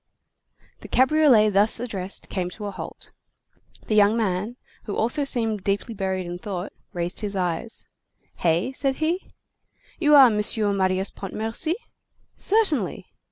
The cabriolet thus addressed came to a halt. The young man, who also seemed deeply buried in thought, raised his eyes:— "Hey?" said he. "You are M. Marius Pontmercy?" "Certainly."